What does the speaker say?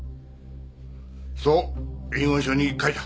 そう遺言書に書いた。